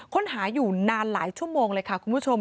ค้นหาอยู่นานหลายชั่วโมงเลยค่ะคุณผู้ชม